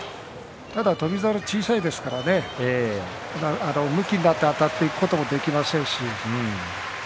ただ翔猿は小さいですからむきになってあたっていくこともできませんし。